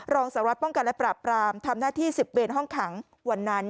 รองสารวัตรป้องกันและปราบปรามทำหน้าที่๑๐เวนห้องขังวันนั้น